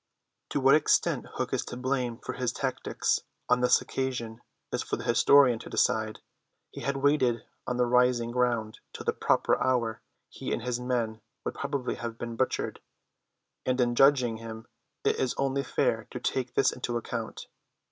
To what extent Hook is to blame for his tactics on this occasion is for the historian to decide. Had he waited on the rising ground till the proper hour he and his men would probably have been butchered; and in judging him it is only fair to take this into account.